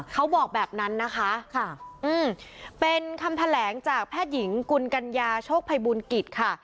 เขาบอกแบบนั้นนะคะเป็นคำแถลงจากแพทย์หญิงกุลกัญญาโชคภัยบูลกิจค่ะ